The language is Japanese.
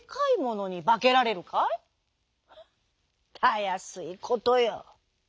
「たやすいことよ」。